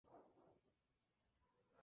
El actual director es David Green.